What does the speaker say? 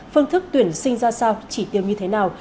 phương thức tuyển sinh ra sao chỉ tiêu như thế nào